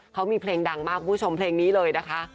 เขามีเพลงดังมากคุณผู้ชมเพลงนี้เลยนะคะ